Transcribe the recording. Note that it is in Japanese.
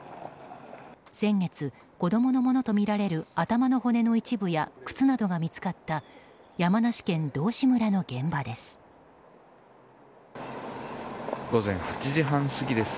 先月、子供のものとみられる頭の骨の一部や靴などが見つかった山梨県道志村の現場です。